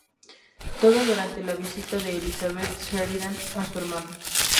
Todo durante la visita de Elizabeth Sheridan a su hermano.